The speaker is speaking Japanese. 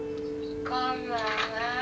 こんばんは。